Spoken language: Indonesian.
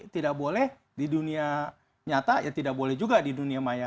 tidak boleh di dunia nyata ya tidak boleh juga di dunia maya